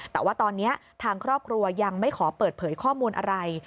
แต่ว่าตอนนี้ทางครอบครัวยังไม่ขอเปิดเผยข้อมูลอะไร